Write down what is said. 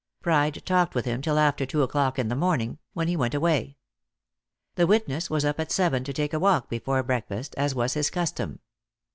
Pride talked with him till after two o'clock in the morning, when he went away. The witness was up at seven to take a walk before breakfast, as was his custom.